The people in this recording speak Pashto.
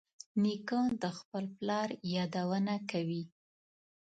نیکه د خپل پلار یادونه کوي.